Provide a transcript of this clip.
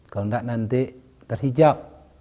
kalau tidak nanti terhijab